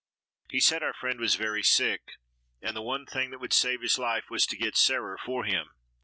He said our friend was very sick and the one thing that would save his life was to get "Sarer" for him.